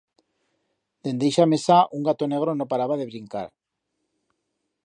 Dende ixa mesa un gato negro no paraba de brincar.